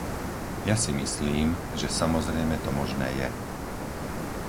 Ja si myslím, že samozrejme to možné je.